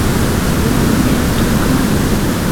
warmi atun kan